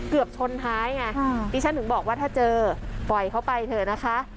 เกือบชนท้ายไงดิฉันถึงบอกว่าถ้าเจอปล่อยเขาไปเถอะนะคะ